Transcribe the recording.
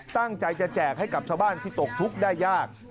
ตั้งใจจะแจกให้กับชาวบ้านที่ตกทุกข์ได้ยาก